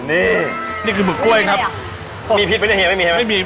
นี่นี่คือหมึกกล้วยครับมีพิษไหมเนี่ยเฮียไม่มีไหม